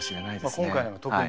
今回のは特に。